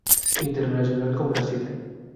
Internacional con Brasil.